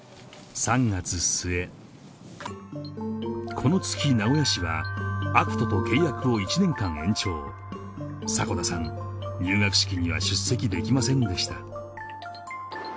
この月名古屋市はアクトと契約を１年間延長迫田さん入学式には出席できませんでした